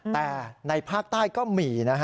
แต่ในภาคใต้ก็มี